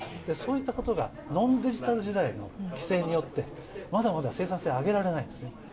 そういったことがノンデジタル時代の規制によって、まだまだ生産性、上げられないですね。